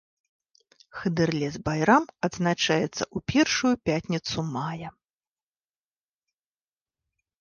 Хыдырлез-байрам адзначаецца ў першую пятніцу мая.